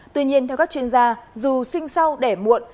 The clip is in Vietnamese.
tuy nhiên theo các chuyên gia dù sinh sau đẻ muộn